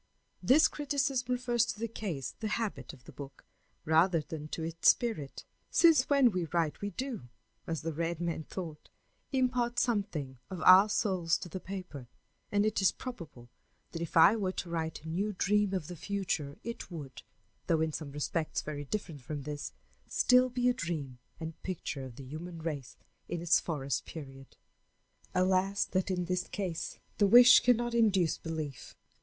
_ _This criticism refers to the case, the habit, of the book rather than to its spirit, since when we write we do, as the red man thought, impart something of our souls to the paper, and it is probable that if I were to write a new dream of the future it would, though in some respects very different from this, still be a dream and picture of the human race in its forest period._ _Alas that in this case the wish cannot induce belief!